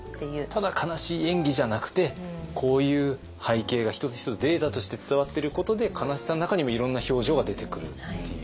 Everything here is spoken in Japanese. ただ悲しい演技じゃなくてこういう背景が一つ一つデータとして伝わってることで悲しさの中にもいろんな表情が出てくるっていう。